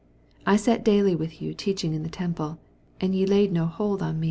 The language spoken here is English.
I sat daily with von teaching in the temple, and ye laid no hold on me.